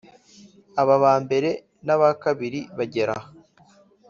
aba mbere n aba kabiri bagera aha